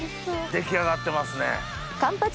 出来上がってますね。